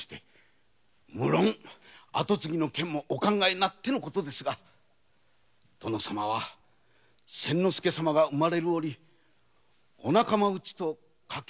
むろん跡継ぎの件もお考えになってのことですが殿様は千之助様が生まれるときお仲間内と賭をしたのです。